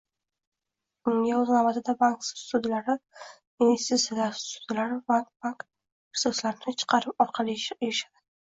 Bunga, o'z navbatida, bank ssudalari, investitsiya ssudalari va davlat resurslarini chiqarish orqali erishildi